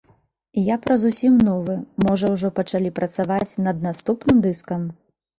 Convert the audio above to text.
Я пра зусім новы, можа ўжо пачалі працаваць над наступным дыскам?